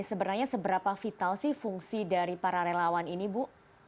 sebenarnya seberapa vital sih fungsi dari para relawan ini bu